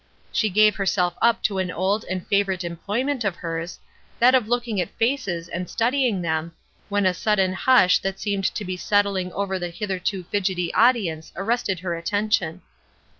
She gave herself up to an old and favorite employment of hers, that of looking at faces and studying them, when a sudden hush that seemed to be settling over the hither to fidgety audience arrested her attention.